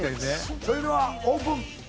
それではオープン。